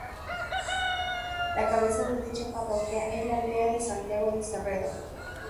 La cabeza de dicha parroquia es la aldea de Santiago de Cerredo.